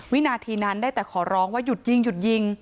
วินาทีนั้นได้แต่ขอร้องว่าหยุดยิงหยุดยิง